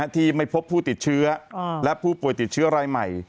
ที่ไม่พบผู้ติดเชื้อและผู้ป่วยติดเชื้อรายใหม่